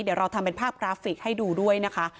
เดี๋ยวเราทำเป็นภาพกราฟิกให้ดูด้วยนะคะ